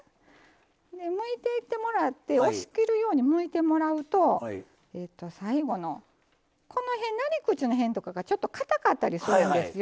むいていってもらって押し切るようにむいてもらうと最後の、なり口の辺とかちょっとかたかったりするんですよ。